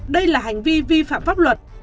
đây là hành vi vi phạm pháp luật